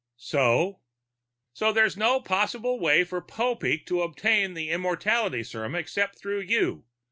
"So?" "So there's no possible way for Popeek to obtain the immortality serum except through you.